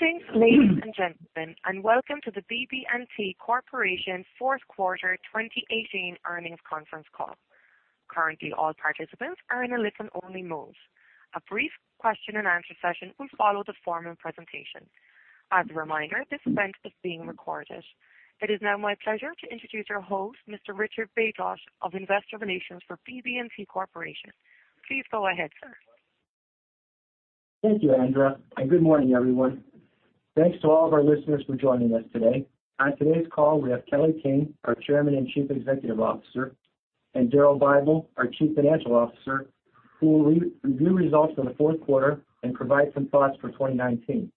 Greetings, ladies and gentlemen, and welcome to the BB&T Corporation fourth quarter 2018 earnings conference call. Currently, all participants are in a listen-only mode. A brief question and answer session will follow the formal presentation. As a reminder, this event is being recorded. It is now my pleasure to introduce our host, Mr. Rich Baytosh of Investor Relations for BB&T Corporation. Please go ahead, sir. Thank you, Andrea. Good morning, everyone. Thanks to all of our listeners for joining us today. On today's call, we have Kelly King, our Chairman and Chief Executive Officer, and Daryl Bible, our Chief Financial Officer, who will review results for the fourth quarter and provide some thoughts for 2019.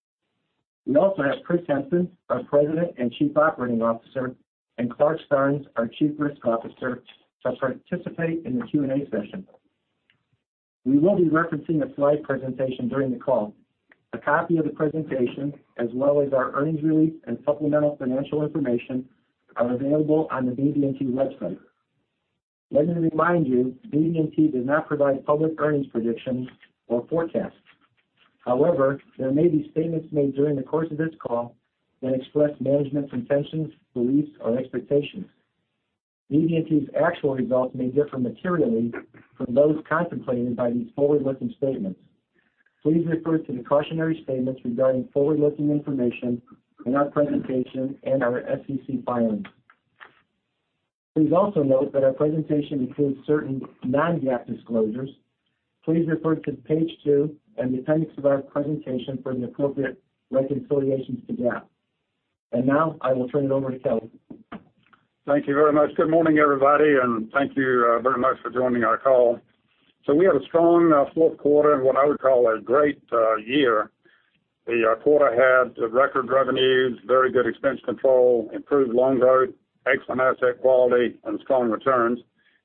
We also have Chris Henson, our President and Chief Operating Officer, and Clarke Starnes, our Chief Risk Officer, to participate in the Q&A session. We will be referencing a slide presentation during the call. A copy of the presentation, as well as our earnings release and supplemental financial information, are available on the BB&T website. Let me remind you, BB&T does not provide public earnings predictions or forecasts. However, there may be statements made during the course of this call that express management's intentions, beliefs, or expectations. BB&T's actual results may differ materially from those contemplated by these forward-looking statements. Please refer to the cautionary statements regarding forward-looking information in our presentation and our SEC filings. Please also note that our presentation includes certain non-GAAP disclosures. Please refer to page two in the appendix of our presentation for the appropriate reconciliations to GAAP. Now, I will turn it over to Kelly. Thank you very much. Good morning, everybody, and thank you very much for joining our call. We had a strong fourth quarter and what I would call a great year. The quarter had record revenues, very good expense control, improved loan growth, excellent asset quality, and strong returns.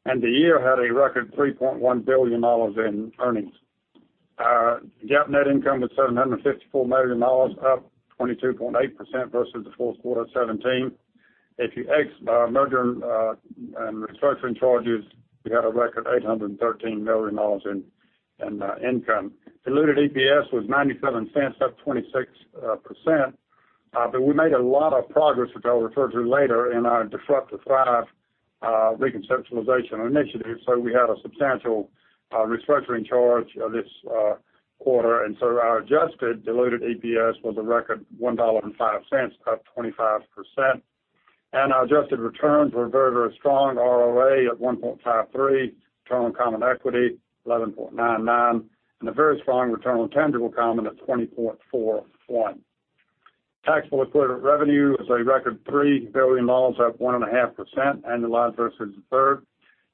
The year had a record $3.1 billion in earnings. Our GAAP net income was $754 million, up 22.8% versus the fourth quarter of 2017. If you ex merger and restructuring charges, we had a record $813 million in income. Diluted EPS was $0.97, up 26%. We made a lot of progress, which I'll refer to later in our Disrupt to Thrive reconceptualization initiative. We had a substantial restructuring charge this quarter. Our adjusted diluted EPS was a record $1.05, up 25%. Our adjusted returns were very, very strong, ROA at 1.53%, return on common equity 11.99%, and a very strong return on tangible common at 20.41%. Taxable equivalent revenue was a record $3 billion, up 1.5% annualized versus the third.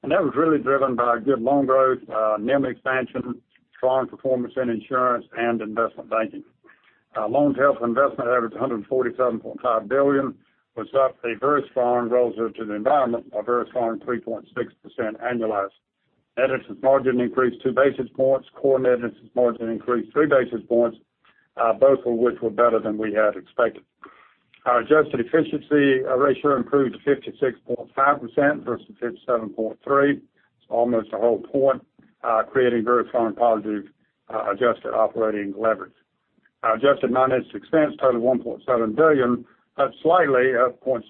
That was really driven by good loan growth, NIM expansion, strong performance in insurance, and investment banking. Our loans held for investment averaged $147.5 billion, was up a very strong relative to the environment, a very strong 3.6% annualized. Net interest margin increased two basis points. Core net interest margin increased three basis points, both of which were better than we had expected. Our adjusted efficiency ratio improved to 56.5% versus 57.3%. It's almost a whole point, creating very strong positive adjusted operating leverage. Our adjusted non-interest expense totaled $1.7 billion, up slightly at 0.6%.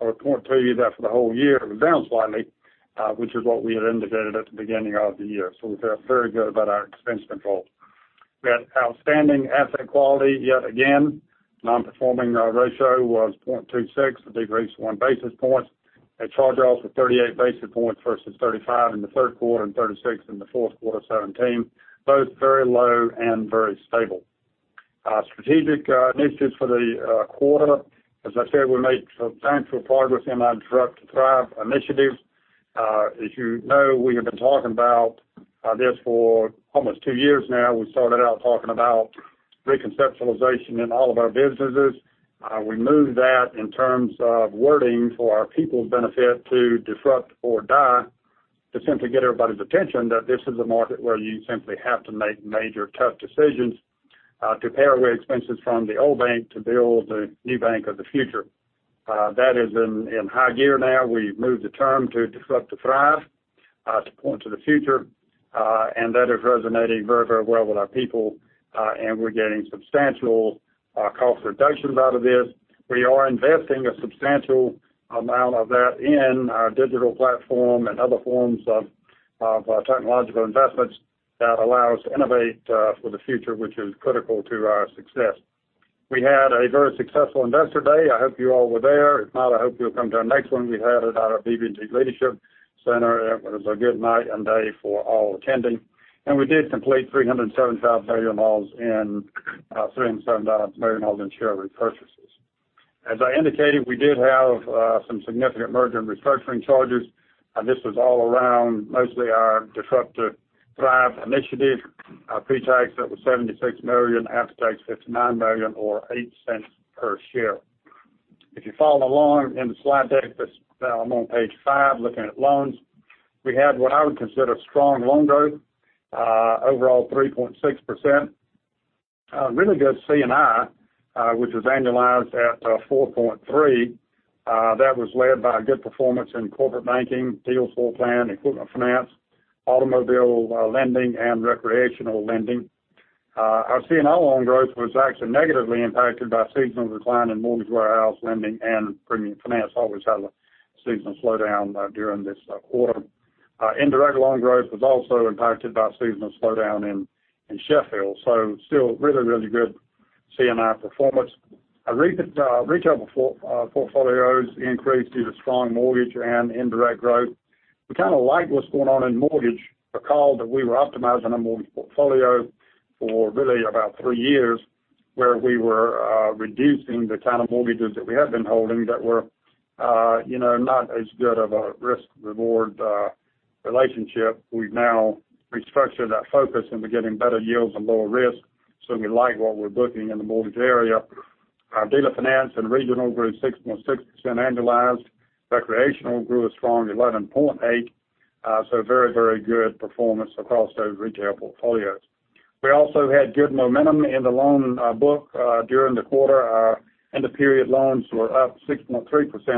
I'll point to you that for the whole year, it was down slightly, which is what we had indicated at the beginning of the year. We felt very good about our expense control. We had outstanding asset quality yet again. Non-performing ratio was 0.26%, a decrease of one basis point. Charge-offs were 38 basis points versus 35 in the third quarter and 36 in the fourth quarter 2017, both very low and very stable. Our strategic initiatives for the quarter, as I said, we made substantial progress in our Disrupt to Thrive initiative. As you know, we have been talking about this for almost two years now. We started out talking about reconceptualization in all of our businesses. We moved that in terms of wording for our people's benefit to Disrupt or Die to simply get everybody's attention that this is a market where you simply have to make major tough decisions to pare away expenses from the old bank to build the new bank of the future. That is in high gear now. We've moved the term to Disrupt to Thrive to point to the future, that is resonating very, very well with our people, and we're getting substantial cost reductions out of this. We are investing a substantial amount of that in our digital platform and other forms of technological investments that allow us to innovate for the future, which is critical to our success. We had a very successful Investor Day. I hope you all were there. If not, I hope you'll come to our next one. We had it out at BB&T Leadership Center. It was a good night and day for all attending. We did complete $375 million in share repurchases. As I indicated, we did have some significant merger and restructuring charges, this was all around mostly our Disrupt to Thrive initiative. Pre-tax, that was $76 million, after-tax, $59 million, or $0.08 per share. If you follow along in the slide deck, I'm on page five looking at loans. We had what I would consider strong loan growth, overall 3.6%. Really good C&I, which was annualized at 4.3%. That was led by good performance in corporate banking, dealer floor plan, equipment finance. Automobile lending and recreational lending. Our C&I loan growth was actually negatively impacted by seasonal decline in mortgage warehouse lending and premium finance. Always have a seasonal slowdown during this autumn. Indirect loan growth was also impacted by seasonal slowdown in Sheffield Financial. Still really good C&I performance. Retail portfolios increased due to strong mortgage and indirect growth. We kind of like what's going on in mortgage. Recall that we were optimizing our mortgage portfolio for really about three years, where we were reducing the kind of mortgages that we had been holding that were not as good of a risk/reward relationship. We've now restructured that focus, and we're getting better yields and lower risk. We like what we're booking in the mortgage area. Our dealer finance and regional grew 6.6% annualized. Recreational grew a strong 11.8%. Very good performance across those retail portfolios. We also had good momentum in the loan book during the quarter. Our end-of-period loans were up 6.3%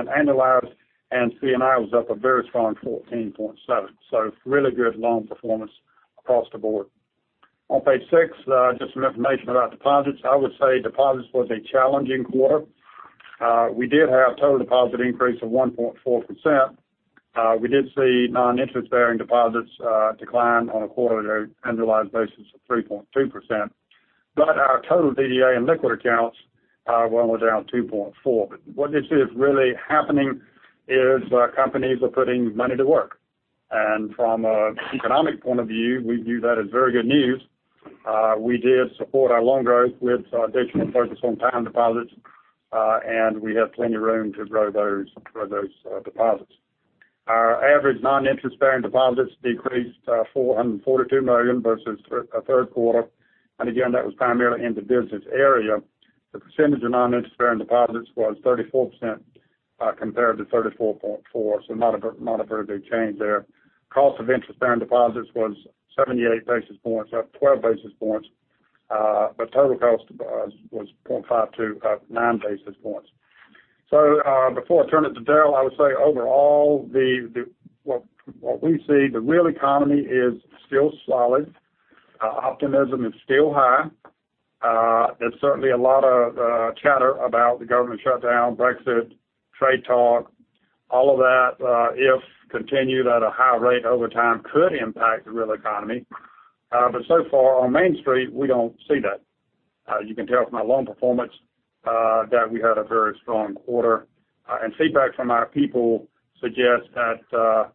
annualized, and C&I was up a very strong 14.7%. Really good loan performance across the board. On page six, just some information about deposits. I would say deposits was a challenging quarter. We did have total deposit increase of 1.4%. We did see non-interest-bearing deposits decline on a quarter-over-year annualized basis of 3.2%, but our total DDA and liquid accounts were down 2.4%. What you see is really happening is companies are putting money to work. From an economic point of view, we view that as very good news. We did support our loan growth with additional focus on time deposits, and we have plenty of room to grow those deposits. Our average non-interest-bearing deposits decreased to $442 million versus our third quarter. Again, that was primarily in the business area. The percentage of non-interest-bearing deposits was 34% compared to 34.4%, so not a very big change there. Cost of interest-bearing deposits was 78 basis points, up 12 basis points. Total cost was 0.52%, up nine basis points. Before I turn it to Daryl, I would say overall, what we see, the real economy is still solid. Optimism is still high. There's certainly a lot of chatter about the government shutdown, Brexit, trade talk. All of that, if continued at a high rate over time, could impact the real economy. So far on Main Street, we don't see that. You can tell from my loan performance that we had a very strong quarter. Feedback from our people suggests that,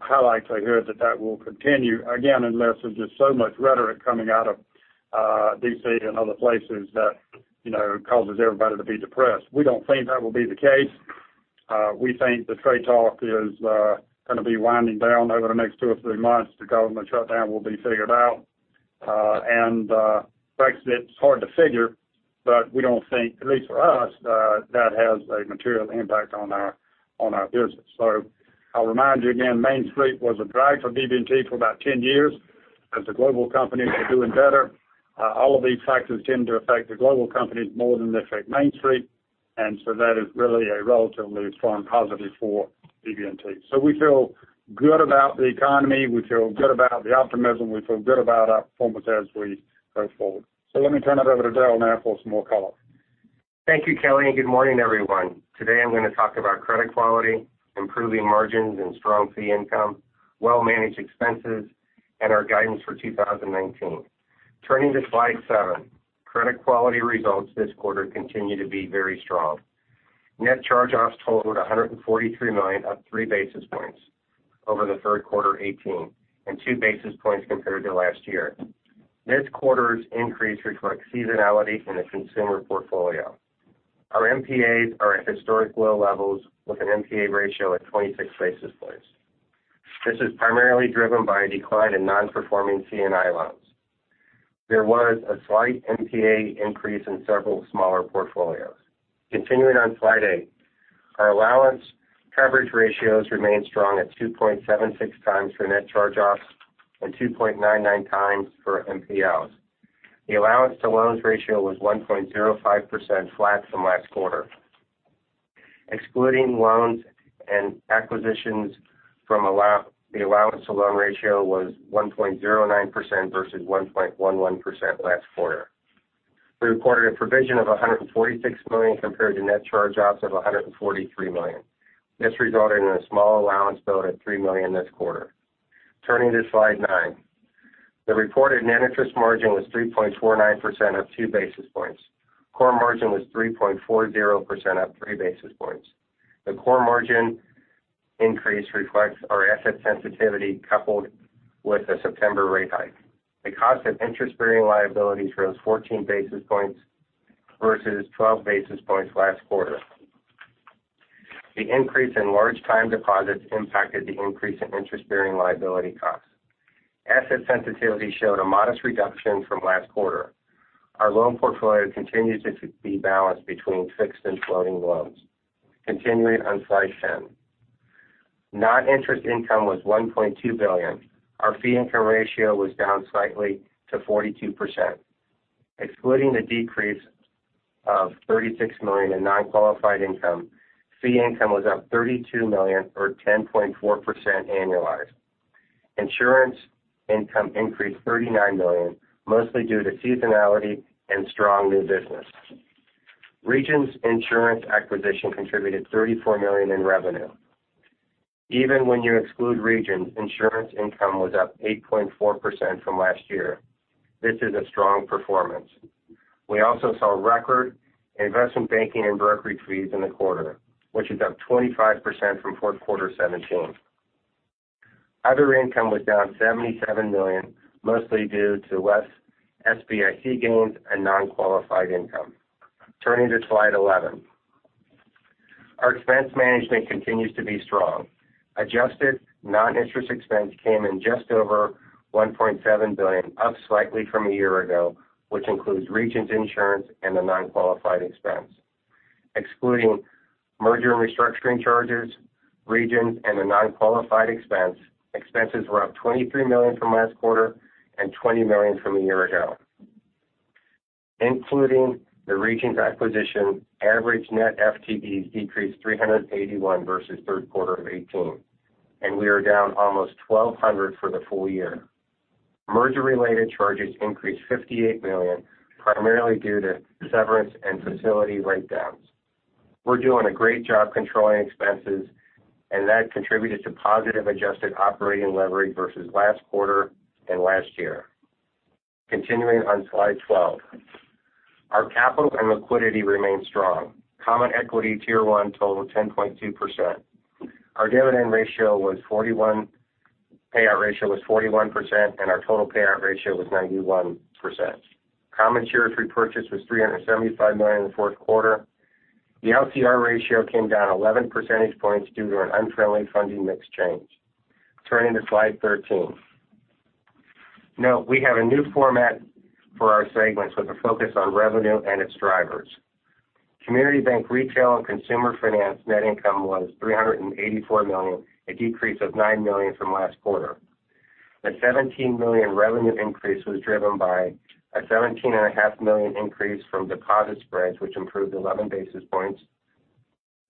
highlights I heard that that will continue, again, unless there's just so much rhetoric coming out of D.C. and other places that causes everybody to be depressed. We don't think that will be the case. We think the trade talk is going to be winding down over the next two or three months. The government shutdown will be figured out. Brexit's hard to figure, but we don't think, at least for us, that has a material impact on our business. I'll remind you again, Main Street was a drag for BB&T for about 10 years. As the global companies are doing better, all of these factors tend to affect the global companies more than they affect Main Street, that is really a relatively strong positive for BB&T. We feel good about the economy. We feel good about the optimism. We feel good about our performance as we go forward. Let me turn it over to Daryl now for some more color. Thank you, Kelly, and good morning, everyone. Today, I'm going to talk about credit quality, improving margins and strong fee income, well-managed expenses, and our guidance for 2019. Turning to slide seven. Credit quality results this quarter continue to be very strong. Net charge-offs totaled $143 million, up three basis points over the third quarter 2018, and two basis points compared to last year. This quarter's increase reflects seasonality in the consumer portfolio. Our NPAs are at historic low levels, with an NPA ratio at 26 basis points. This is primarily driven by a decline in non-performing C&I loans. There was a slight NPA increase in several smaller portfolios. Continuing on slide eight. Our allowance coverage ratios remain strong at 2.76 times the net charge-offs and 2.99 times for NPLs. The allowance to loans ratio was 1.05%, flat from last quarter. Excluding loans and acquisitions from the allowance to loan ratio was 1.09% versus 1.11% last quarter. We reported a provision of $146 million compared to net charge-offs of $143 million. This resulted in a small allowance build at $3 million this quarter. Turning to slide nine. The reported net interest margin was 3.49%, up two basis points. Core margin was 3.40%, up three basis points. The core margin increase reflects our asset sensitivity coupled with the September rate hike. The cost of interest-bearing liabilities rose 14 basis points versus 12 basis points last quarter. The increase in large time deposits impacted the increase in interest-bearing liability costs. Asset sensitivity showed a modest reduction from last quarter. Our loan portfolio continues to be balanced between fixed and floating loans. Continuing on slide 10. Non-interest income was $1.2 billion. Our fee income ratio was down slightly to 42%. Excluding the decrease of $36 million in non-qualified income. Fee income was up $32 million or 10.4% annualized. Insurance income increased $39 million, mostly due to seasonality and strong new business. Regions Insurance acquisition contributed $34 million in revenue. Even when you exclude Regions, insurance income was up 8.4% from last year. This is a strong performance. We also saw record investment banking and brokerage fees in the quarter, which is up 25% from fourth quarter 2017. Other income was down $77 million, mostly due to less SBIC gains and non-qualified income. Turning to slide 11. Our expense management continues to be strong. Adjusted non-interest expense came in just over $1.7 billion, up slightly from a year ago, which includes Regions Insurance and the non-qualified expense. Excluding merger and restructuring charges, Regions and the non-qualified expense, expenses were up $23 million from last quarter and $20 million from a year ago. Including the Regions acquisition, average net FTEs decreased 381 versus third quarter of 2018, and we are down almost 1,200 for the full year. Merger-related charges increased $58 million, primarily due to severance and facility write-downs. We're doing a great job controlling expenses, and that contributed to positive adjusted operating leverage versus last quarter and last year. Continuing on slide 12. Our capital and liquidity remain strong. Common equity Tier 1 total, 10.2%. Our payout ratio was 41%, and our total payout ratio was 91%. Common shares repurchased was $375 million in the fourth quarter. The LCR ratio came down 11 percentage points due to an unfriendly funding mix change. Turning to slide 13. Now, we have a new format for our segments with a focus on revenue and its drivers. Community Bank Retail and Consumer Finance net income was $384 million, a decrease of $9 million from last quarter. The $17 million revenue increase was driven by a $17.5 million increase from deposit spreads, which improved 11 basis points,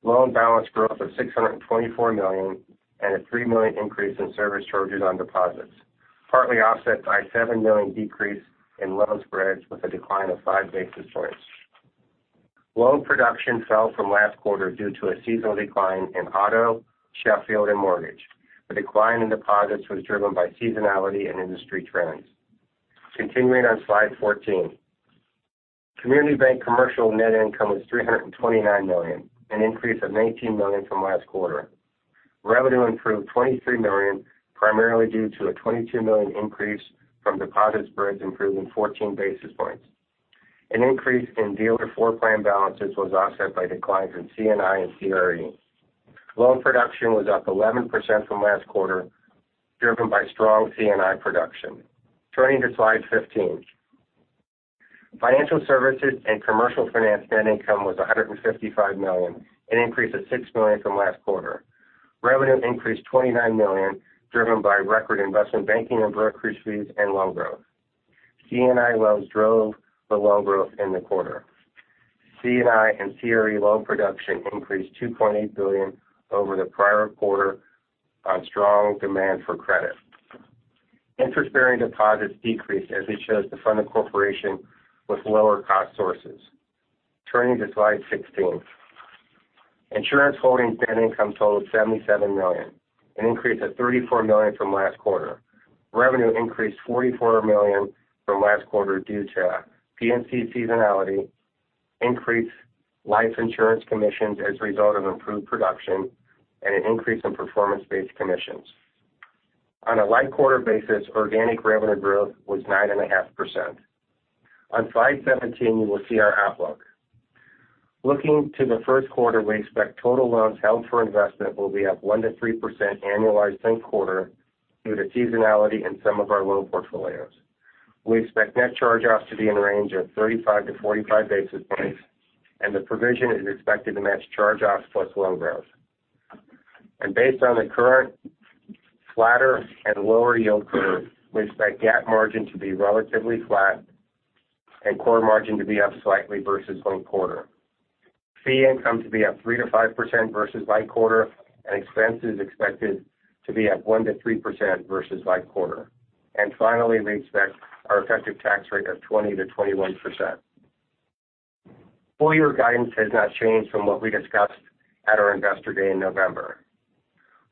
loan balance growth of $624 million, and a $3 million increase in service charges on deposits, partly offset by a $7 million decrease in loan spreads with a decline of five basis points. Loan production fell from last quarter due to a seasonal decline in auto, Sheffield, and mortgage. The decline in deposits was driven by seasonality and industry trends. Continuing on slide 14. Community Bank Commercial net income was $329 million, an increase of $19 million from last quarter. Revenue improved $23 million, primarily due to a $22 million increase from deposit spreads improving 14 basis points. An increase in dealer floor plan balances was offset by declines in C&I and CRE. Loan production was up 11% from last quarter, driven by strong C&I production. Turning to slide 15. Financial Services and Commercial Finance net income was $155 million, an increase of $6 million from last quarter. Revenue increased $29 million, driven by record investment banking and brokerage fees and loan growth. C&I loans drove the loan growth in the quarter. C&I and CRE loan production increased $2.8 billion over the prior quarter on strong demand for credit. Interest-bearing deposits decreased as we chose to fund the corporation with lower cost sources. Turning to slide 16. BB&T Insurance Holdings net income totaled $77 million, an increase of $34 million from last quarter. Revenue increased $44 million from last quarter due to P&C seasonality, increased life insurance commissions as a result of improved production, and an increase in performance-based commissions. On a like-quarter basis, organic revenue growth was 9.5%. On slide 17, you will see our outlook. Looking to the first quarter, we expect total loans held for investment will be up 1%-3% annualized linked quarter due to seasonality in some of our loan portfolios. We expect net charge-offs to be in range of 35-45 basis points, and the provision is expected to match charge-offs plus loan growth. Based on the current flatter and lower yield curve, we expect GAAP margin to be relatively flat and core margin to be up slightly versus linked quarter. Fee income to be up 3%-5% versus like quarter, and expenses expected to be up 1%-3% versus like quarter. Finally, we expect our effective tax rate of 20%-21%. Full-year guidance has not changed from what we discussed at our Investor Day in November.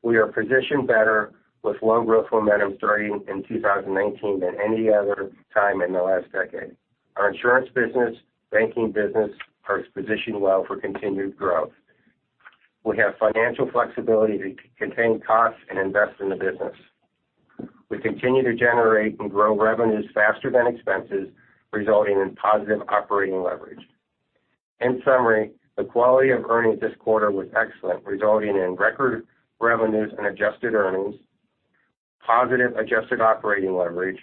We are positioned better with loan growth momentum starting in 2019 than any other time in the last decade. Our insurance business, banking business are positioned well for continued growth. We have financial flexibility to contain costs and invest in the business. We continue to generate and grow revenues faster than expenses, resulting in positive operating leverage. In summary, the quality of earnings this quarter was excellent, resulting in record revenues and adjusted earnings, positive adjusted operating leverage,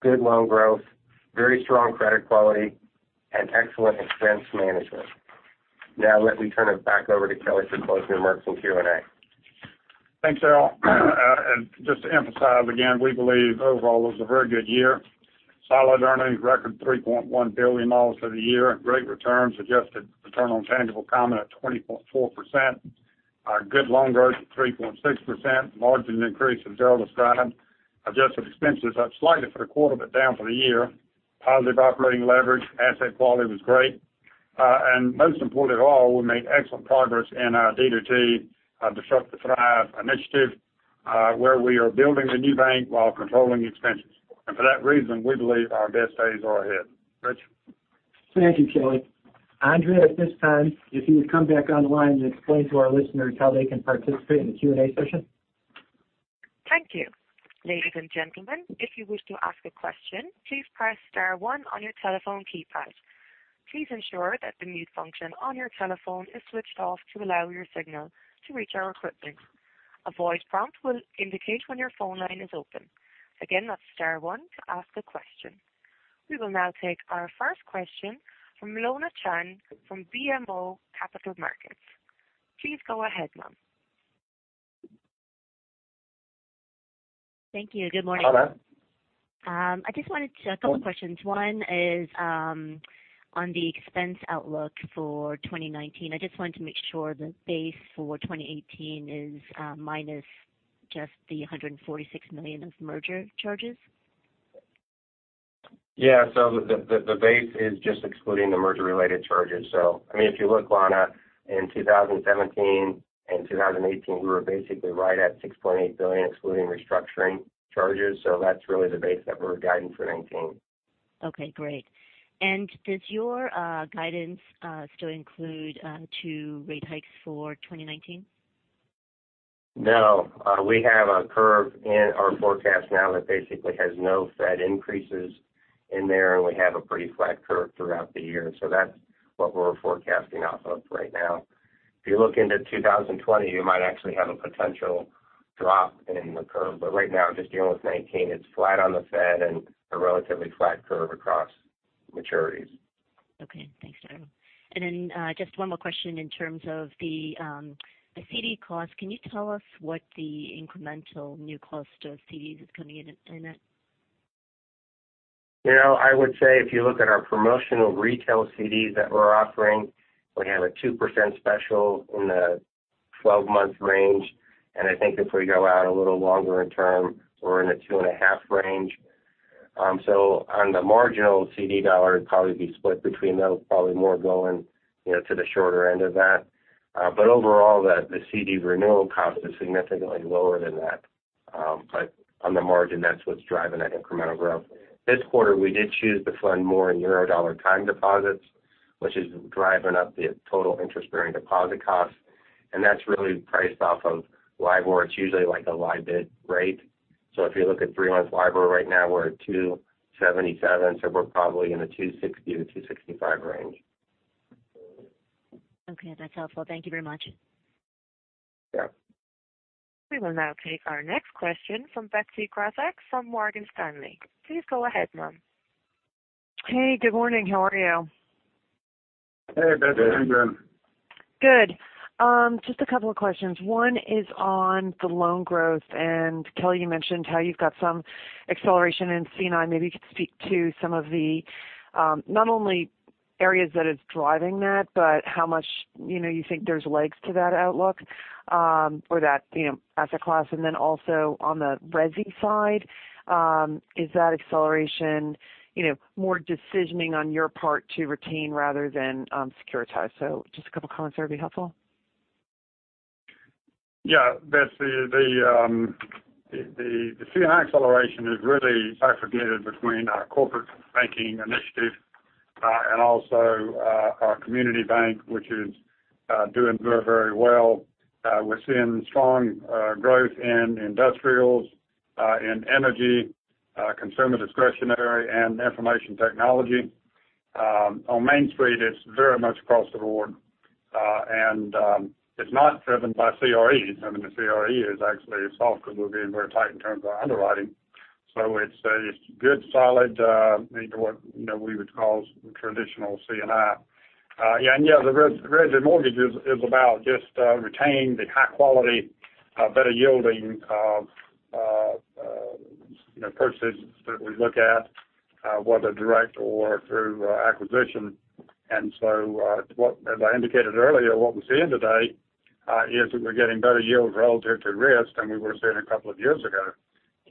good loan growth, very strong credit quality, and excellent expense management. Now let me turn it back over to Kelly to close remarks and Q&A. Just to emphasize again, we believe overall it was a very good year. Solid earnings, record $3.1 billion for the year. Great returns, adjusted return on tangible common at 20.4%. Our good loan growth at 3.6%. Margins increased, as Daryl described. Adjusted expenses up slightly for the quarter, but down for the year. Positive operating leverage. Asset quality was great. Most important of all, we made excellent progress in our D2T, Disrupt to Thrive initiative, where we are building the new bank while controlling expenses. For that reason, we believe our best days are ahead. Rich? Thank you, Kelly. Andrea, at this time, if you would come back online and explain to our listeners how they can participate in the Q&A session. Thank you. Ladies and gentlemen, if you wish to ask a question, please press star one on your telephone keypad. Please ensure that the mute function on your telephone is switched off to allow your signal to reach our equipment. A voice prompt will indicate when your phone line is open. Again, that's star one to ask a question. We will now take our first question from Lana Chan from BMO Capital Markets. Please go ahead, ma'am. Thank you. Good morning. Lana. A couple questions. One is on the expense outlook for 2019. I just wanted to make sure the base for 2018 is minus just the $146 million of merger charges. Yeah. The base is just excluding the merger-related charges. If you look, Lana, in 2017 and 2018, we were basically right at $6.8 billion, excluding restructuring charges. That's really the base that we're guiding for 2019. Okay, great. Does your guidance still include two rate hikes for 2019? No. We have a curve in our forecast now that basically has no Fed increases in there. We have a pretty flat curve throughout the year. That's what we're forecasting off of right now. If you look into 2020, you might actually have a potential drop in the curve. Right now, just dealing with 2019, it's flat on the Fed and a relatively flat curve across maturities. Okay. Thanks, Daryl. Then just one more question in terms of the CD cost. Can you tell us what the incremental new cost of CDs is coming in at? I would say if you look at our promotional retail CDs that we're offering, we have a 2% special in the 12-month range. I think if we go out a little longer in term, we're in a 2.5 range. On the marginal CD dollar, it'd probably be split between those, probably more going to the shorter end of that. Overall, the CD renewal cost is significantly lower than that. On the margin, that's what's driving that incremental growth. This quarter, we did choose to fund more in Eurodollar time deposits, which is driving up the total interest-bearing deposit costs. That's really priced off of LIBOR. It's usually like a LIBID rate. If you look at 3 months LIBOR right now, we're at 277. We're probably in the 260-265 range. Okay, that's helpful. Thank you very much. Yeah. We will now take our next question from Betsy Graseck from Morgan Stanley. Please go ahead, ma'am. Hey, good morning. How are you? Hey, Betsy. How you doing? Good. Just a couple of questions. One is on the loan growth. Kelly, you mentioned how you've got some acceleration in C&I. Maybe you could speak to some of the, not only areas that it's driving that, but how much you think there's legs to that outlook, or that asset class. Also on the resi side, is that acceleration more decisioning on your part to retain rather than securitize? Just a couple comments there would be helpful. Yeah. Betsy, the C&I acceleration is really bifurcated between our corporate banking initiative and also our community bank, which is doing very well. We're seeing strong growth in industrials, in energy, consumer discretionary, and information technology. On Main Street, it's very much across the board. It's not driven by CRE. The CRE is actually soft because we're being very tight in terms of our underwriting. It's a good solid, what we would call traditional C&I. Yeah, the resi mortgages is about just retaining the high quality, better yielding purchases that we look at, whether direct or through acquisition. As I indicated earlier, what we're seeing today is that we're getting better yields relative to risk than we were seeing a couple of years ago.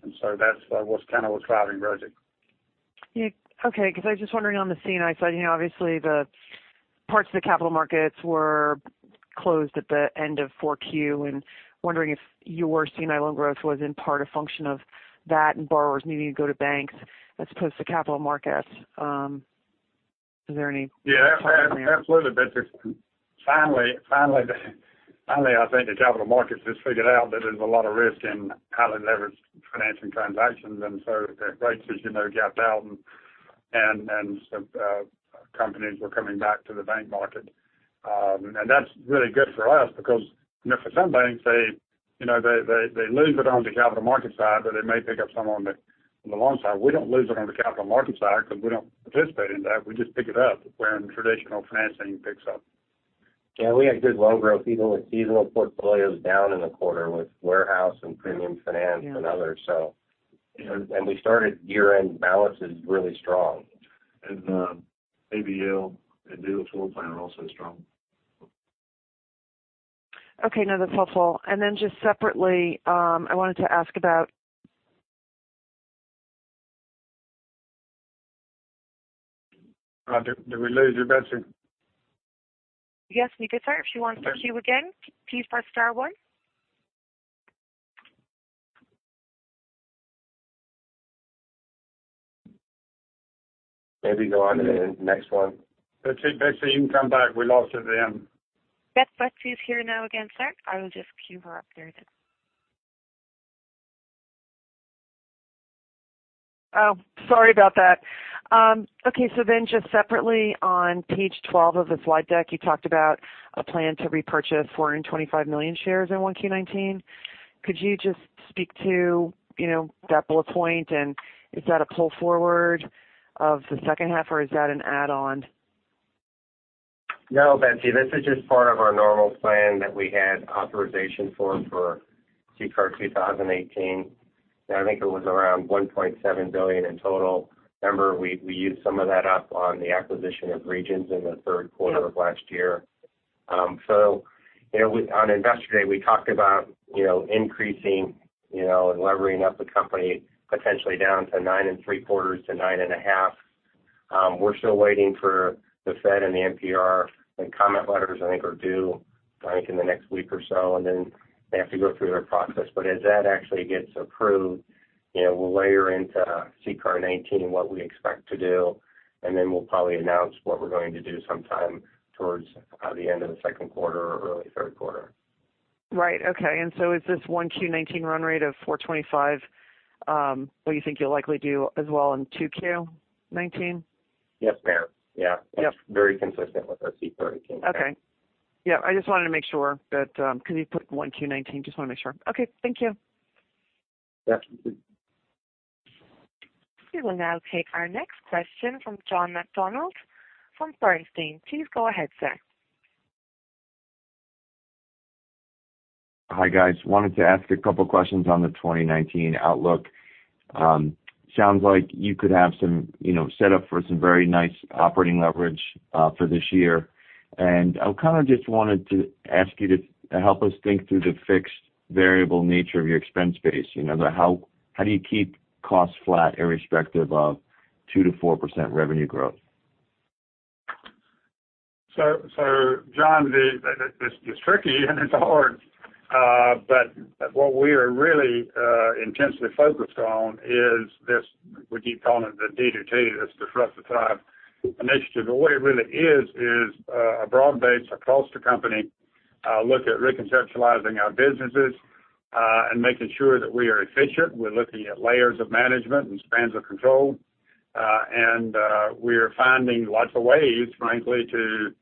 That's what's driving resi. Okay, I was just wondering on the C&I side, obviously the parts of the capital markets were closed at the end of 4Q, wondering if your C&I loan growth was in part a function of that and borrowers needing to go to banks as opposed to capital markets. Is there any? Yeah. Absolutely, Betsy. Finally, I think the capital markets just figured out that there's a lot of risk in highly leveraged financing transactions. The rates, as you know, gapped out, and some companies were coming back to the bank market. That's really good for us because, for some banks, they lose it on the capital markets side, but they may pick up some on the loan side. We don't lose it on the capital markets side because we don't participate in that. We just pick it up when traditional financing picks up. Yeah, we had good loan growth even with seasonal portfolios down in the quarter with warehouse and premium finance and others. We started year-end balances really strong. The ABO and new tool plan are also strong. Okay. No, that's helpful. Then just separately, I wanted to ask about. Did we lose you, Betsy? Yes, we did, sir. If she wants to queue again, please press star one. Maybe go on to the next one. Betsy, you can come back. We lost you there. Betsy is here now again, sir. I will just queue her up there then. Sorry about that. Okay, just separately on page 12 of the slide deck, you talked about a plan to repurchase 425 million shares in 1Q19. Could you just speak to that bullet point? Is that a pull forward of the second half, or is that an add-on? No, Betsy. This is just part of our normal plan that we had authorization for CCAR 2018. I think it was around $1.7 billion in total. Remember, we used some of that up on the acquisition of Regions in the third quarter of last year. On Investor Day, we talked about increasing and levering up the company potentially down to nine and three-quarters to nine and a half. We're still waiting for the Fed and the NPR, and comment letters, I think, are due in the next week or so, and then they have to go through their process. As that actually gets approved, we'll layer into CCAR '19 what we expect to do, and then we'll probably announce what we're going to do sometime towards the end of the second quarter or early third quarter. Right. Okay. Is this 1Q19 run rate of $425 what you think you'll likely do as well in 2Q19? Yes, ma'am. Yeah. Yep. It's very consistent with our CCAR 2018 plan. Okay. Yeah, I just wanted to make sure because you put 1Q19, just want to make sure. Okay, thank you. Yeah. We will now take our next question from John McDonald from Bernstein. Please go ahead, sir. Hi, guys. Wanted to ask a couple questions on the 2019 outlook. Sounds like you could have some setup for some very nice operating leverage for this year. I kind of just wanted to ask you to help us think through the fixed variable nature of your expense base. How do you keep costs flat irrespective of 2%-4% revenue growth? John, it's tricky and it's hard. What we are really intensely focused on is this, we keep calling it the D2T, that's the Disrupt to Thrive. What it really is a broad base across the company look at reconceptualizing our businesses, and making sure that we are efficient. We're looking at layers of management and spans of control. We're finding lots of ways, frankly, to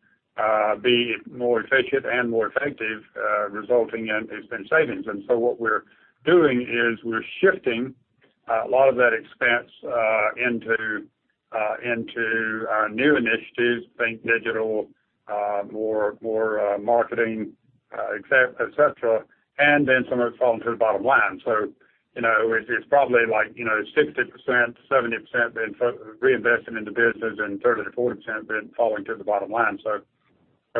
be more efficient and more effective, resulting in expense savings. What we're doing is we're shifting a lot of that expense into our new initiatives, think digital, more marketing, et cetera. Then some of it's falling to the bottom line. It's probably like 60%, 70% being reinvested in the business and 30%-40% being falling to the bottom line.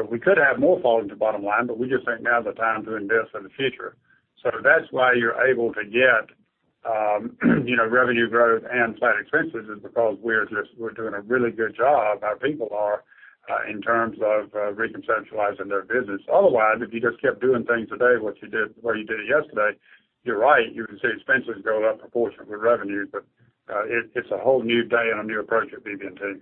We could have more fall into bottom line, we just think now is the time to invest in the future. That's why you're able to get revenue growth and flat expenses is because we're doing a really good job, our people are, in terms of reconceptualizing their business. Otherwise, if you just kept doing things today what you did yesterday, you're right, you would see expenses go up proportionate with revenues, it's a whole new day and a new approach at BB&T.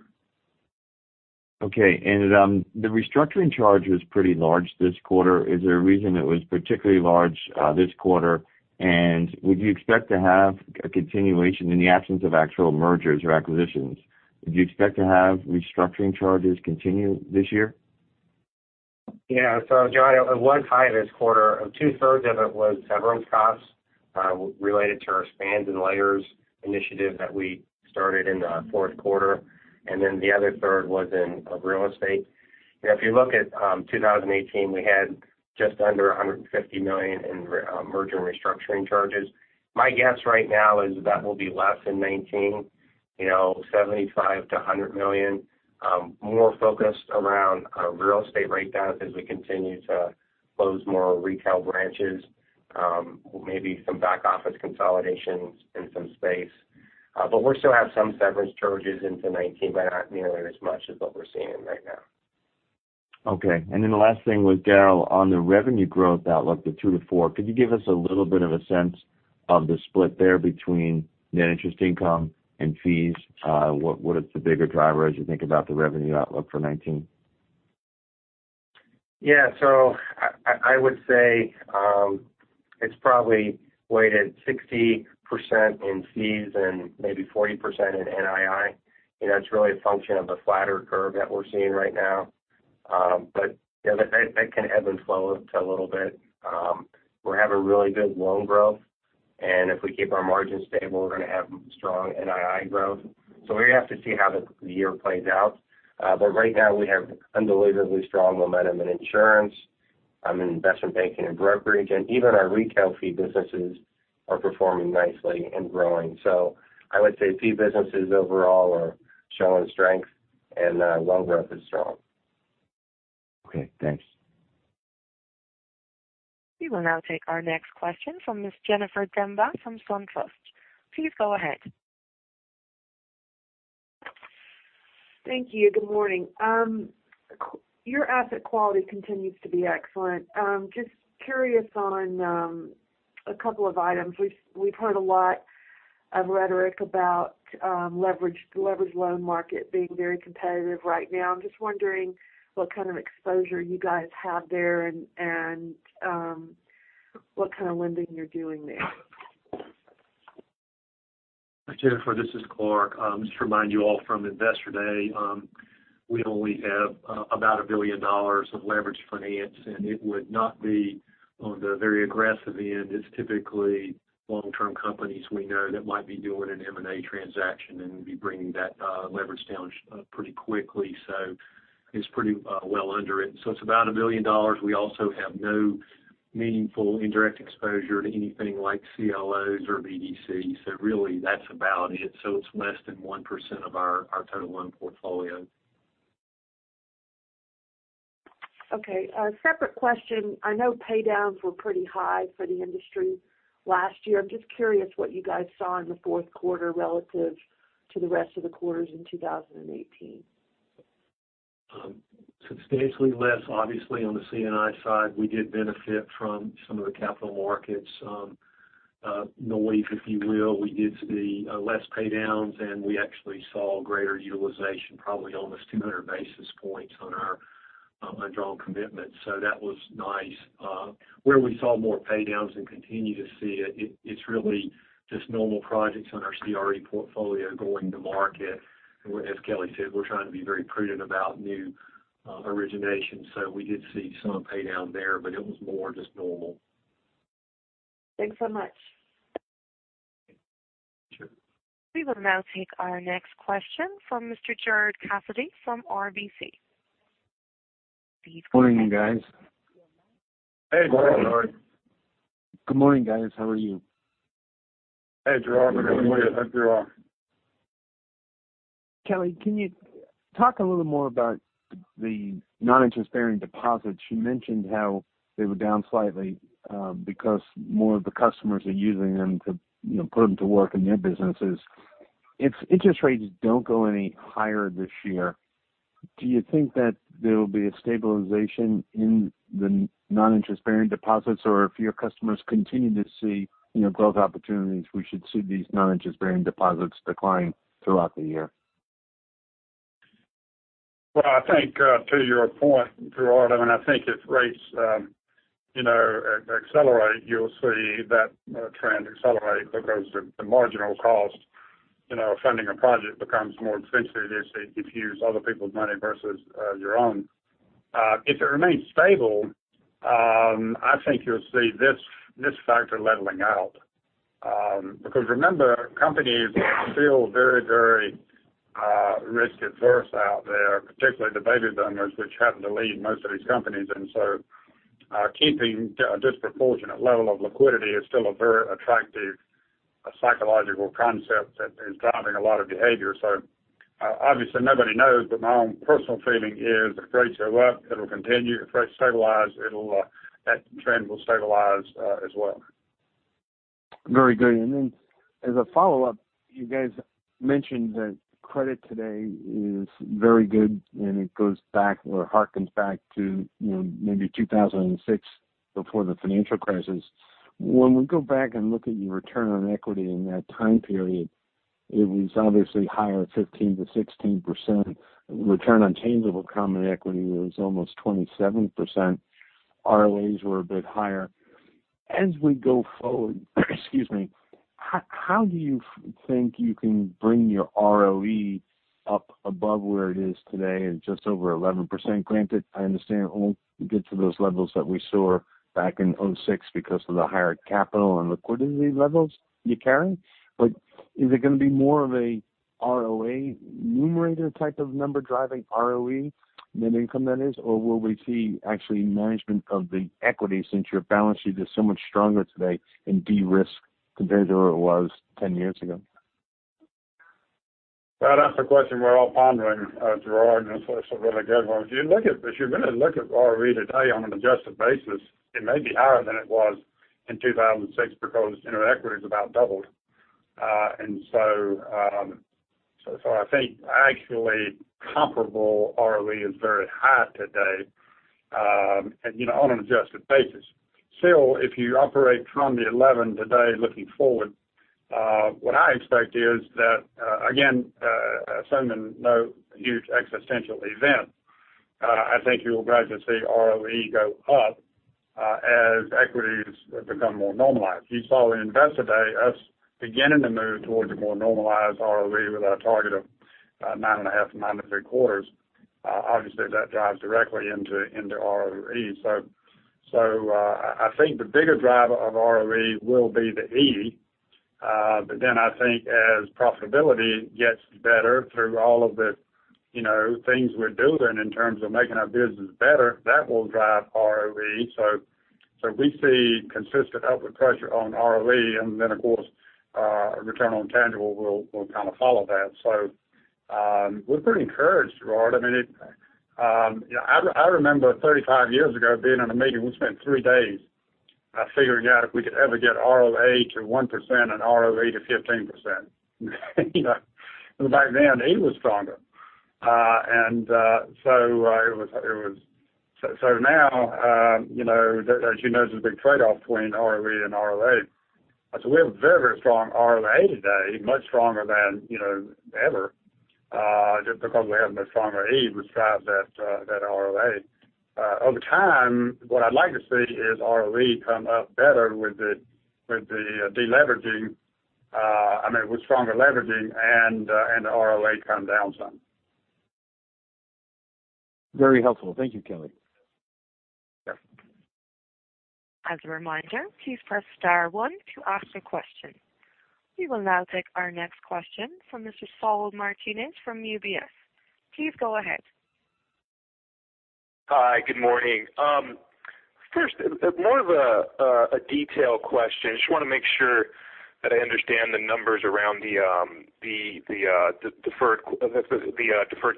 Okay. The restructuring charge was pretty large this quarter. Is there a reason it was particularly large this quarter? Would you expect to have a continuation in the absence of actual mergers or acquisitions? Would you expect to have restructuring charges continue this year? Yeah. John, it was high this quarter. Two-thirds of it was severance costs related to our Spans and Layers initiative that we started in the fourth quarter, the other third was in real estate. If you look at 2018, we had just under $150 million in merger and restructuring charges. My guess right now is that will be less in 2019, $75 million-$100 million, more focused around real estate write-downs as we continue to close more retail branches, maybe some back-office consolidations in some space. We'll still have some severance charges into 2019, but not nearly as much as what we're seeing right now. Okay. The last thing was, Daryl, on the revenue growth outlook, the 2%-4%, could you give us a little bit of a sense of the split there between net interest income and fees? What is the bigger driver as you think about the revenue outlook for 2019? Yeah. I would say it's probably weighted 60% in fees and maybe 40% in NII. It's really a function of the flatter curve that we're seeing right now. That can ebb and flow a little bit. We're having really good loan growth If we keep our margins stable, we're going to have strong NII growth. We have to see how the year plays out. Right now, we have unbelievably strong momentum in insurance, investment banking, and brokerage, and even our retail fee businesses are performing nicely and growing. I would say fee businesses overall are showing strength, and loan growth is strong. Okay, thanks. We will now take our next question from Miss Jennifer Demba from SunTrust. Please go ahead. Thank you. Good morning. Your asset quality continues to be excellent. Just curious on a couple of items. We've heard a lot of rhetoric about leverage loan market being very competitive right now. I'm just wondering what kind of exposure you guys have there and what kind of lending you're doing there. Jennifer, this is Clarke. Just to remind you all from Investor Day, we only have about $1 billion of leveraged finance, and it would not be on the very aggressive end. It's typically long-term companies we know that might be doing an M&A transaction and be bringing that leverage down pretty quickly. It's pretty well under it. It's about $1 billion. We also have no meaningful indirect exposure to anything like CLOs or BDCs. Really that's about it. It's less than 1% of our total loan portfolio. Okay. A separate question. I know pay downs were pretty high for the industry last year. I'm just curious what you guys saw in the fourth quarter relative to the rest of the quarters in 2018. Substantially less, obviously, on the C&I side, we did benefit from some of the capital markets, noise, if you will. We did see less pay downs, and we actually saw greater utilization, probably almost 200 basis points on our undrawn commitment. That was nice. Where we saw more pay downs and continue to see it's really just normal projects on our CRE portfolio going to market. As Kelly said, we're trying to be very prudent about new originations. We did see some pay down there, but it was more just normal. Thanks so much. Sure. We will now take our next question from Mr. Gerard Cassidy from RBC. Please go ahead. Morning, guys. Hey, Gerard. Good morning, guys. How are you? Hey, Gerard. Good morning. Hope you're well. Kelly, can you talk a little more about the non-interest-bearing deposits? You mentioned how they were down slightly because more of the customers are using them to put them to work in their businesses. If interest rates don't go any higher this year, do you think that there will be a stabilization in the non-interest-bearing deposits? Or if your customers continue to see growth opportunities, we should see these non-interest-bearing deposits decline throughout the year? I think, to your point, Gerard, I think if rates accelerate, you'll see that trend accelerate because the marginal cost funding a project becomes more expensive if you use other people's money versus your own. If it remains stable, I think you'll see this factor leveling out. Because remember, companies feel very risk-averse out there, particularly the baby boomers, which happen to lead most of these companies. Keeping a disproportionate level of liquidity is still a very attractive psychological concept that is driving a lot of behavior. Obviously, nobody knows, but my own personal feeling is if rates go up, it'll continue. If rates stabilize, that trend will stabilize as well. Very good. As a follow-up, you guys mentioned that credit today is very good, and it goes back, or hearkens back to maybe 2006 before the financial crisis. When we go back and look at your return on equity in that time period, it was obviously higher, 15%-16%. Return on tangible common equity was almost 27%. ROAs were a bit higher. As we go forward, excuse me, how do you think you can bring your ROE up above where it is today at just over 11%? Granted, I understand it won't get to those levels that we saw back in 2006 because of the higher capital and liquidity levels you're carrying. Is it going to be more of a ROA numerator type of number driving ROE, net income, that is, or will we see actually management of the equity, since your balance sheet is so much stronger today and de-risked compared to where it was 10 years ago? That's a question we're all pondering, Gerard, and it's a really good one. If you really look at ROE today on an adjusted basis, it may be higher than it was in 2006 because equity has about doubled. I think actually comparable ROE is very high today on an adjusted basis. Still, if you operate from the 11 today looking forward, what I expect is that, again, assuming no huge existential event, I think you will gradually see ROE go up as equities become more normalized. You saw in Investor Day us beginning to move towards a more normalized ROE with our target of Nine and a half, nine and three-quarters. Obviously, that drives directly into ROE. I think the bigger driver of ROE will be the E, as profitability gets better through all of the things we're doing in terms of making our business better, that will drive ROE. We see consistent upward pressure on ROE, and then, of course, return on tangible will kind of follow that. We're pretty encouraged, Gerard. I remember 35 years ago being in a meeting, we spent three days figuring out if we could ever get ROA to 1% and ROE to 15%. Because back then, E was stronger. Now, as you know, there's a big trade-off between ROE and ROA. We have a very strong ROA today, much stronger than ever, just because we have a much stronger E, which drives that ROA. Over time, what I'd like to see is ROE come up better with the deleveraging, I mean, with stronger leveraging, and the ROA come down some. Very helpful. Thank you, Kelly. Sure. As a reminder, please press star one to ask a question. We will now take our next question from Mr. Saul Martinez from UBS. Please go ahead. Hi, good morning. First, more of a detail question. Just want to make sure that I understand the numbers around the deferred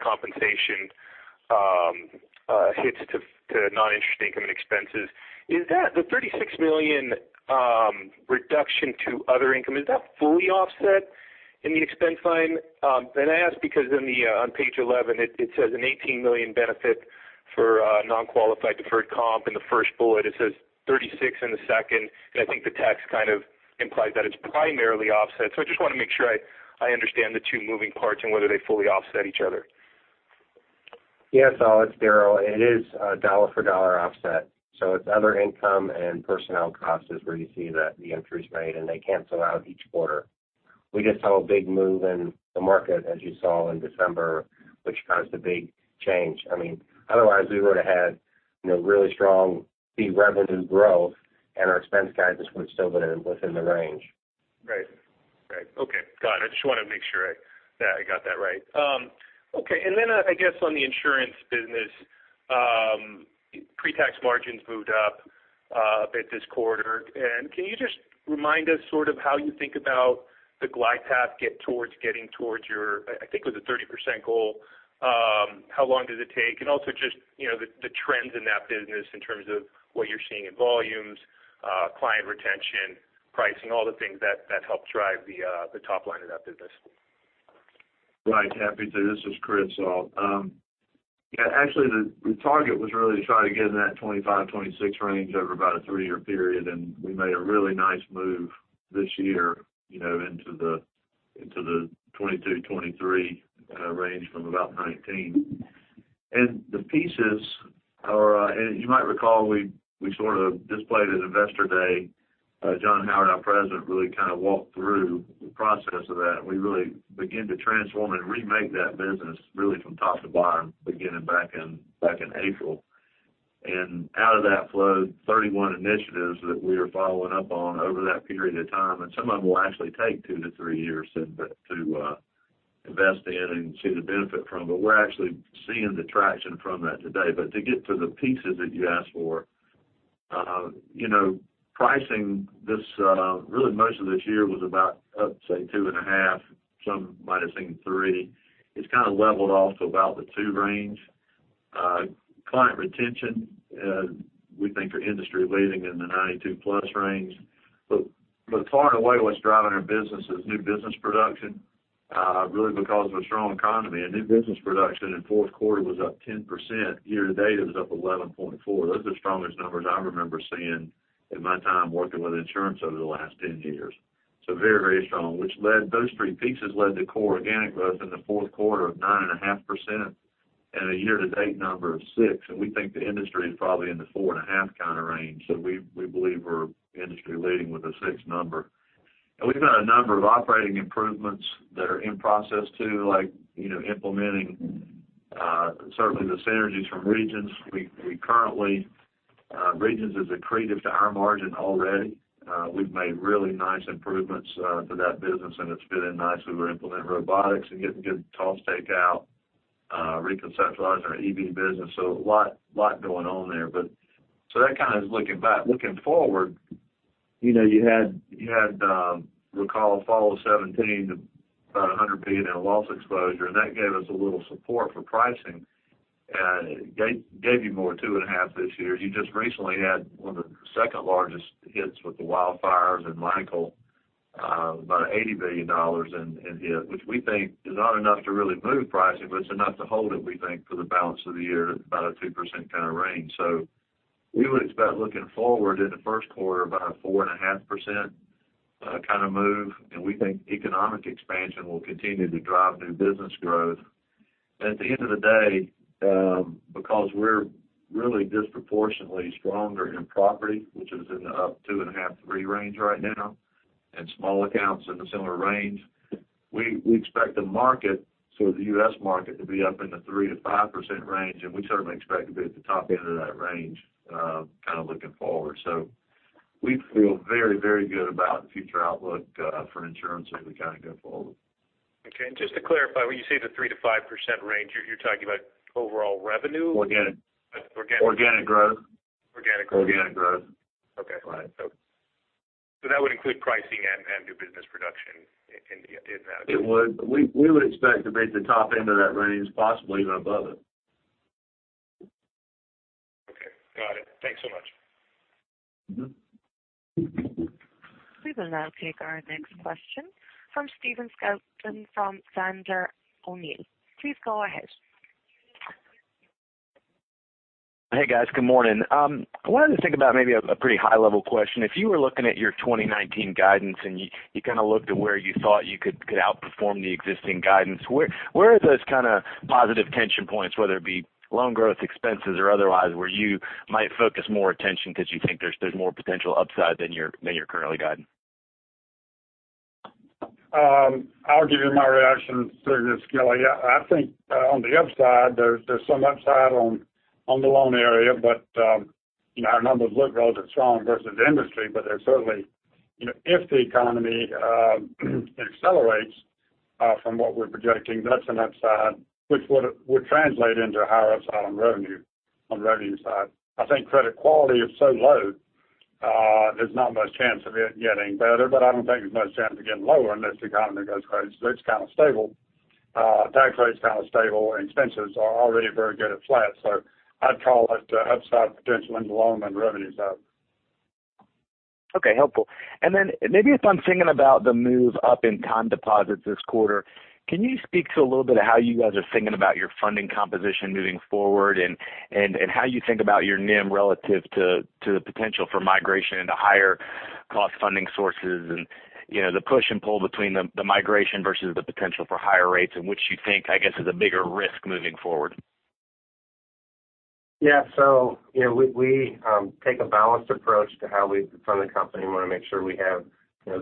compensation hits to non-interest income and expenses. Is the $36 million reduction to other income, is that fully offset in the expense line? I ask because on page 11, it says an $18 million benefit for non-qualified deferred comp in the first bullet. It says $36 in the second, and I think the tax kind of implies that it's primarily offset. I just want to make sure I understand the two moving parts and whether they fully offset each other. Yeah, Saul, it's Daryl. It is a dollar for dollar offset, it's other income and personnel costs is where you see the entries made, they cancel out each quarter. We just have a big move in the market as you saw in December, which caused a big change. Otherwise, we would've had really strong fee revenue growth, our expense guidance would still have been within the range. Right. Okay, got it. I just wanted to make sure that I got that right. Okay. Then I guess on the insurance business, pre-tax margins moved up a bit this quarter. Can you just remind us sort of how you think about the glide path getting towards your, I think it was a 30% goal. How long does it take? Also just the trends in that business in terms of what you're seeing in volumes, client retention, pricing, all the things that help drive the top line of that business. Right. Happy to. This is Chris, Saul. Yeah, actually, the target was really to try to get in that 25, 26 range over about a 3-year period, we made a really nice move this year into the 22, 23 range from about 19. The pieces are, you might recall, we sort of displayed at Investor Day, John Howard, our president, really kind of walked through the process of that, we really began to transform and remake that business really from top to bottom, beginning back in April. Out of that flowed 31 initiatives that we are following up on over that period of time, some of them will actually take 2 to 3 years to invest in and see the benefit from. We're actually seeing the traction from that today. To get to the pieces that you asked for. Pricing, really most of this year was about up, say, two and a half. Some might have seen three. It's kind of leveled off to about the two range. Client retention, we think are industry-leading in the 92-plus range. Far and away, what's driving our business is new business production, really because of a strong economy. New business production in fourth quarter was up 10%. Year to date, it was up 11.4. Those are the strongest numbers I remember seeing in my time working with insurance over the last 10 years. Very strong. Those three pieces led to core organic growth in the fourth quarter of 9.5% and a year to date number of six, we think the industry is probably in the 4.5 kind of range. We believe we're industry-leading with a six number. We've got a number of operating improvements that are in process, too, like implementing certainly the synergies from Regions. Currently, Regions is accretive to our margin already. We've made really nice improvements to that business and it's fit in nicely. We're implementing robotics and getting good cost takeout, reconceptualizing our EB business. A lot going on there. That kind of is looking back. Looking forward, you had recall fall of 2017, about $100 billion in loss exposure, that gave us a little support for pricing. It gave you more two and a half this year. You just recently had one of the second largest hits with the wildfires in Hurricane Michael, about $80 billion in hit, which we think is not enough to really move pricing, it's enough to hold it, we think, for the balance of the year at about a 2% kind of range. We would expect looking forward in the first quarter, about a four and a half % kind of move, and we think economic expansion will continue to drive new business growth. At the end of the day, because we're really disproportionately stronger in property, which is in the up two and a half, three range right now, and small accounts in a similar range. We expect the market, so the U.S. market, to be up in the 3%-5% range, and we certainly expect to be at the top end of that range, looking forward. We feel very, very good about the future outlook for insurance as we go forward. Okay. Just to clarify, when you say the 3%-5% range, you're talking about overall revenue? Organic. Organic. Organic growth. Organic growth. Organic growth. Okay. Right. That would include pricing and new business production in that? It would. We would expect to be at the top end of that range, possibly even above it. Okay. Got it. Thanks so much. We will now take our next question from Stephen Scouten from Sandler O'Neill. Please go ahead. Hey, guys. Good morning. I wanted to think about maybe a pretty high level question. If you were looking at your 2019 guidance and you looked at where you thought you could outperform the existing guidance, where are those kind of positive tension points, whether it be loan growth, expenses, or otherwise, where you might focus more attention because you think there's more potential upside than you're currently guiding? I'll give you my reaction to this, Kelly. I think on the upside, there's some upside on the loan area. Our numbers look relatively strong versus industry, but if the economy accelerates from what we're projecting, that's an upside, which would translate into a higher upside on the revenue side. I think credit quality is so low, there's not much chance of it getting better. I don't think there's much chance of getting lower unless the economy goes crazy. It's kind of stable. Tax rates kind of stable. Expenses are already very good at flat. I'd call it upside potential in the loan and revenue side. Okay. Helpful. Maybe if I'm thinking about the move up in time deposits this quarter, can you speak to a little bit of how you guys are thinking about your funding composition moving forward and how you think about your NIM relative to the potential for migration into higher cost funding sources and the push and pull between the migration versus the potential for higher rates and which you think, I guess, is a bigger risk moving forward? Yeah. We take a balanced approach to how we fund the company. We want to make sure we have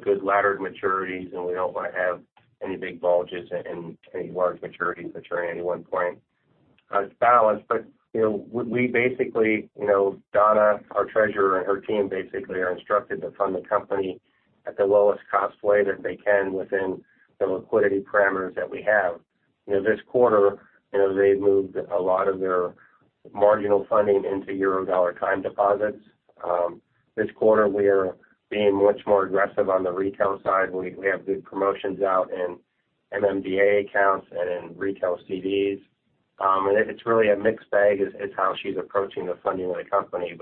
good laddered maturities, and we don't want to have any big bulges in any large maturities maturing at any one point. It's balanced. Donna, our treasurer, and her team basically are instructed to fund the company at the lowest cost way that they can within the liquidity parameters that we have. This quarter, they've moved a lot of their marginal funding into Eurodollar time deposits. This quarter, we are being much more aggressive on the retail side. We have good promotions out in MMDA accounts and in retail CDs. It's really a mixed bag is how she's approaching the funding of the company.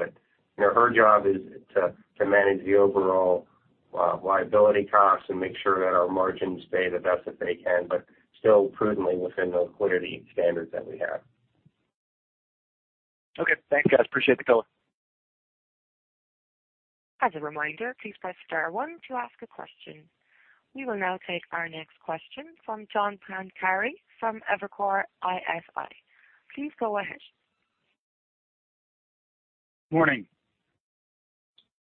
Her job is to manage the overall liability costs and make sure that our margins stay the best that they can, but still prudently within the liquidity standards that we have. Okay. Thanks, guys. Appreciate the call. As a reminder, please press star one to ask a question. We will now take our next question from John Pancari from Evercore ISI. Please go ahead. Morning.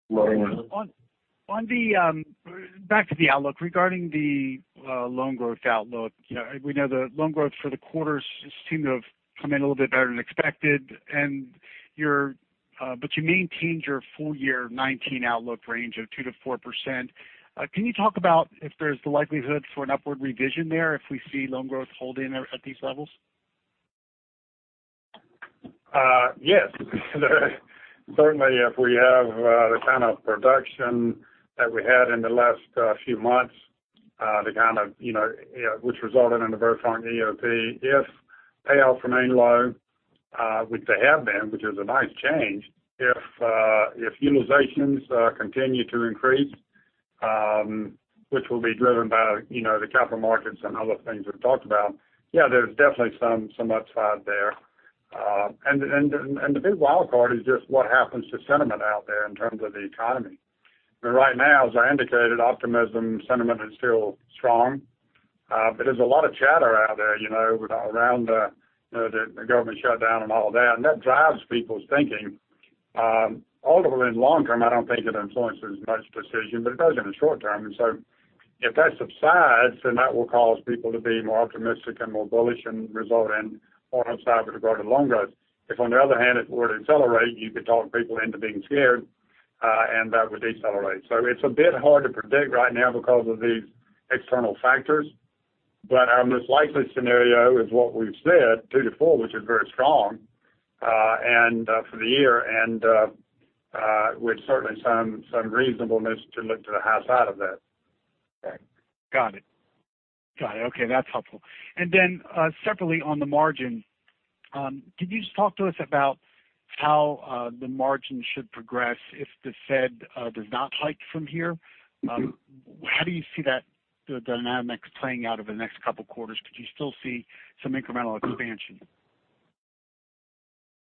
Morning. Back to the outlook. Regarding the loan growth outlook, we know the loan growth for the quarters seem to have come in a little bit better than expected, but you maintained your full year 2019 outlook range of 2%-4%. Can you talk about if there's the likelihood for an upward revision there if we see loan growth holding at these levels? Yes. Certainly, if we have the kind of production that we had in the last few months which resulted in the very strong AOP. If payouts remain low, which they have been, which is a nice change. If utilizations continue to increase, which will be driven by the capital markets and other things we've talked about, yeah, there's definitely some upside there. The big wildcard is just what happens to sentiment out there in terms of the economy. Right now, as I indicated, optimism sentiment is still strong. There's a lot of chatter out there around the government shutdown and all that, and that drives people's thinking. Ultimately in the long term, I don't think it influences much decision, but it does in the short term. If that subsides, then that will cause people to be more optimistic and more bullish and result in more upside with regard to loan growth. If on the other hand, it were to accelerate, you could talk people into being scared, and that would decelerate. It's a bit hard to predict right now because of these external factors, but our most likely scenario is what we've said, 3%-4%, which is very strong, and for the year, and with certainly some reasonableness to look to the high side of that. Okay. Got it. That's helpful. Separately on the margin, can you just talk to us about how the margin should progress if the Fed does not hike from here? How do you see that dynamic playing out over the next couple quarters? Could you still see some incremental expansion?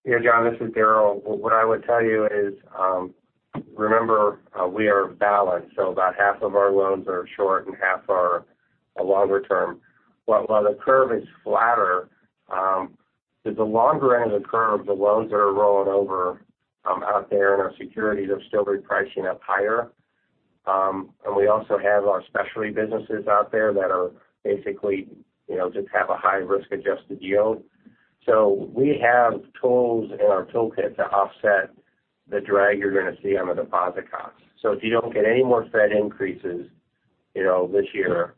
John, this is Daryl. What I would tell you is, remember, we are balanced. About half of our loans are short and half are longer term. While the curve is flatter, at the longer end of the curve, the loans that are rolling over out there and our securities are still repricing up higher. We also have our specialty businesses out there that basically just have a high risk-adjusted yield. We have tools in our toolkit to offset the drag you're going to see on the deposit cost. If you don't get any more Fed increases this year,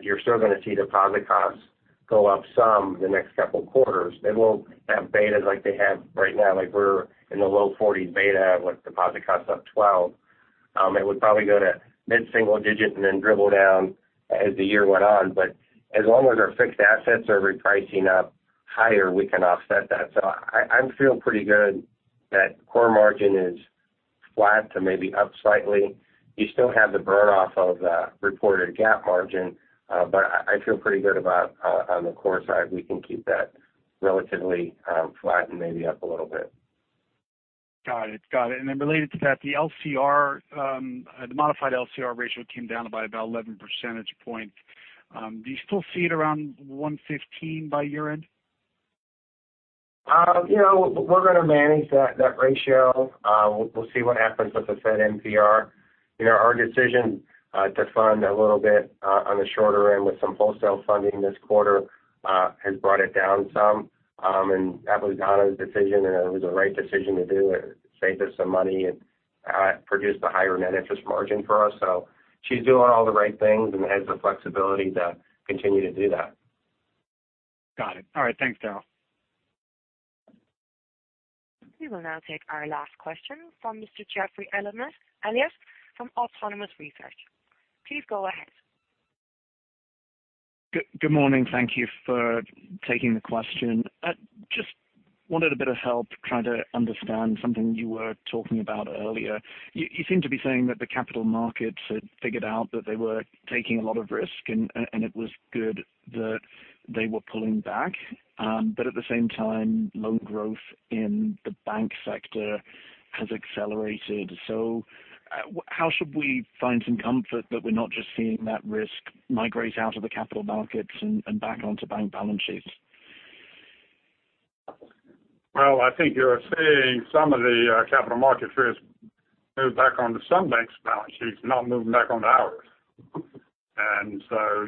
you're still going to see deposit costs go up some the next couple of quarters. They won't have betas like they have right now. We're in the low 40s beta with deposit costs up 12%. It would probably go to mid-single digit and then dribble down as the year went on. As long as our fixed assets are repricing up higher, we can offset that. I feel pretty good that core margin is flat to maybe up slightly. You still have the burn-off of reported GAAP margin. I feel pretty good about on the core side, we can keep that relatively flat and maybe up a little bit. Got it. Related to that, the modified LCR ratio came down by about 11 percentage points. Do you still see it around 115% by year-end? We're going to manage that ratio. We'll see what happens with the Fed NPR. Our decision to fund a little bit on the shorter end with some wholesale funding this quarter has brought it down some. That was Donna's decision, and it was the right decision to do. It saved us some money and produced a higher net interest margin for us. She's doing all the right things and has the flexibility to continue to do that. Got it. All right. Thanks, Daryl. We will now take our last question from Mr. Jeff Elias from Autonomous Research. Please go ahead. Good morning. Thank you for taking the question. Just wanted a bit of help trying to understand something you were talking about earlier. You seemed to be saying that the capital markets had figured out that they were taking a lot of risk, and it was good that they were pulling back. At the same time, loan growth in the bank sector has accelerated. How should we find some comfort that we're not just seeing that risk migrate out of the capital markets and back onto bank balance sheets? Well, I think you're seeing some of the capital market risk move back onto some banks' balance sheets, not moving back onto ours.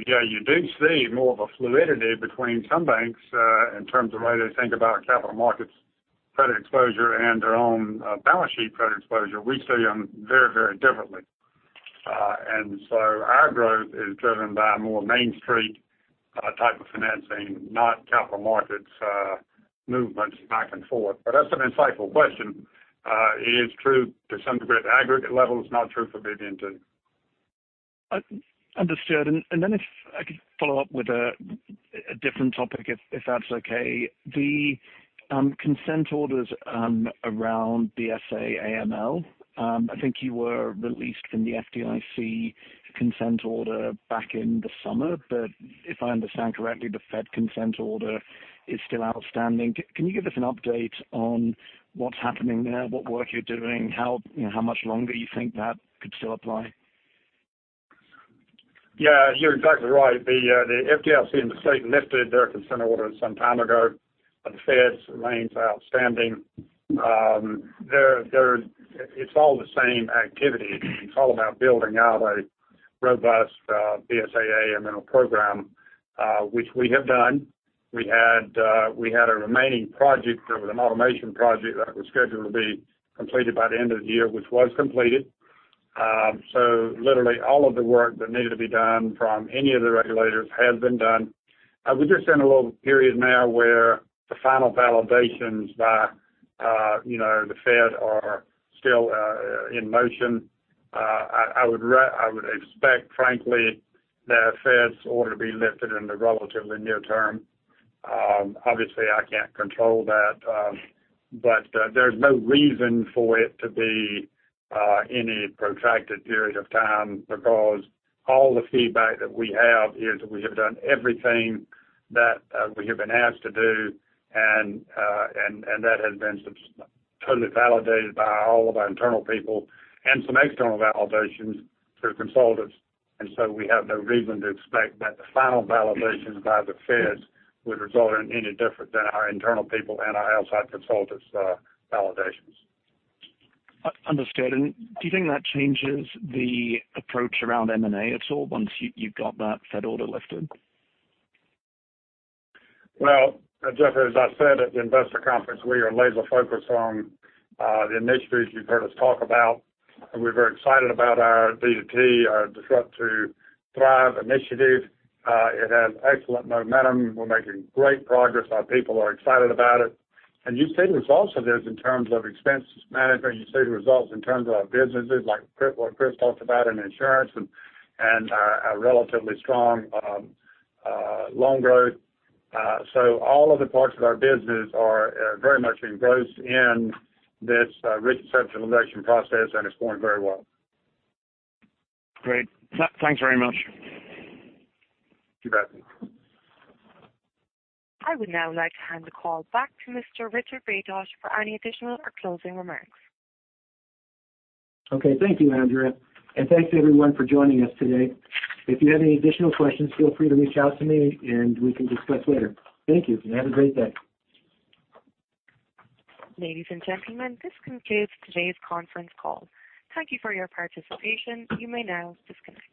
Yeah, you do see more of a fluidity between some banks, in terms of the way they think about capital markets credit exposure and their own balance sheet credit exposure. We see them very, very differently. Our growth is driven by a more Main Street type of financing, not capital markets movements back and forth. That's an insightful question. It is true to some degree at the aggregate level. It's not true for BB&T. Understood. If I could follow up with a different topic, if that's okay. The consent orders around BSA/AML. I think you were released from the FDIC consent order back in the summer. If I understand correctly, the Fed consent order is still outstanding. Can you give us an update on what's happening there, what work you're doing, how much longer you think that could still apply? Yeah, you're exactly right. The FDIC and the state lifted their consent order some time ago, but the Fed's remains outstanding. It's all the same activity. It's all about building out a robust BSA/AML program, which we have done. We had a remaining project. It was an automation project that was scheduled to be completed by the end of the year, which was completed. Literally, all of the work that needed to be done from any of the regulators has been done. We're just in a little period now where the final validations by the Fed are still in motion. I would expect, frankly, the Fed's order to be lifted in the relatively near term. Obviously, I can't control that. There's no reason for it to be any protracted period of time because all the feedback that we have is that we have done everything that we have been asked to do, and that has been totally validated by all of our internal people and some external validations through consultants. We have no reason to expect that the final validations by the Fed would result in any different than our internal people and our outside consultants' validations. Understood. Do you think that changes the approach around M&A at all once you've got that Fed order lifted? Well, Jeffrey, as I said at the investor conference, we are laser-focused on the initiatives you've heard us talk about. We're very excited about our D2T, our Disrupt to Thrive initiative. It has excellent momentum. We're making great progress. Our people are excited about it. You see the results of this in terms of expenses management. You see the results in terms of our businesses, like what Chris talked about in insurance and our relatively strong loan growth. All of the parts of our business are very much engrossed in this risk centralization process, and it's going very well. Great. Thanks very much. You bet. I would now like to hand the call back to Mr. Richard Baytosh for any additional or closing remarks. Okay. Thank you, Andrea. Thanks everyone for joining us today. If you have any additional questions, feel free to reach out to me and we can discuss later. Thank you and have a great day. Ladies and gentlemen, this concludes today's conference call. Thank you for your participation. You may now disconnect.